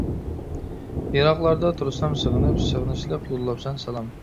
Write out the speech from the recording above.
يىراقلاردا تۇرسام سېغىنىپ، سېغىنىشلىق يوللاپسەن سالام.